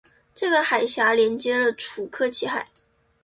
这个海峡连接了楚科奇海。